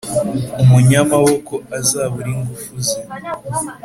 umunyamaboko azabure ingufu ze,